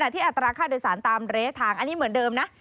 ที่อัตราค่าโดยสารตามระยะทางอันนี้เหมือนเดิมนะ